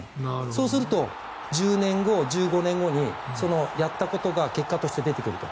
そうすると１０年後、１５年後にそのやったことが結果として出てくると。